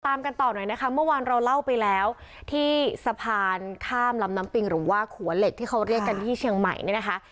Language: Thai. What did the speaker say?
ตามกันต่อหน่อยนะคะเมื่อวานเราเล่าไปแล้วที่สะพานข้ามลำน้ำปิงหรือว่าขัวเหล็กที่เขาเรียกกันที่เชียงใหม่เนี่ยนะคะ